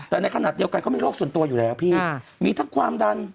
แต่ในขณะเดียวกันเขามีโรคส่วนตัวอยู่แล้วพี่มีทั้งความดัน